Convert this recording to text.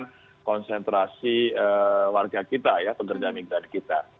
jadi kita harus konsentrasi warga kita pekerjaan negara kita